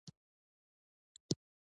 تنور د افغاني خوړو سره تړلی دی